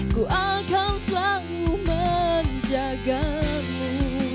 ku akan selalu menjagamu